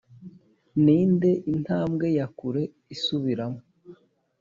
ninde intambwe ya kure isubiramo